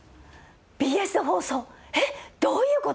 ＢＳで放送えっどういうこと！？